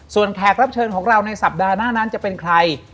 ส่วนแขกรับเชิญของเราในสัปดาห์หน้านั้นจะเป็นใคร